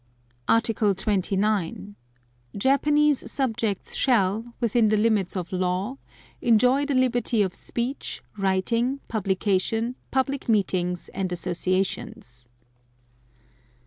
Article 29. Japanese subjects shall, within the limits of law, enjoy the liberty of speech, writing, publication, public meetings and associations.